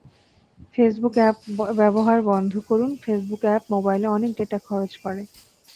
Facebook app ব্যবহার বন্ধ করুন ফেসবুক অ্যাপ মোবাইলে অনেক ডেটা খরচ করে।